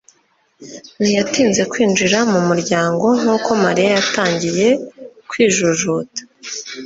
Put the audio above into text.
ntiyatinze kwinjira mu muryango nkuko Mariya yatangiye kwijujuta.